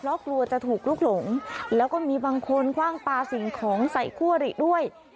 เพราะกลัวจะถูกลุกหลงแล้วก็มีบางคนคว่างปลาสิ่งของใส่คู่อริด้วย